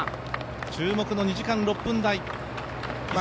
注目の２時間６分台。